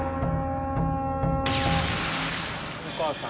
お母さん？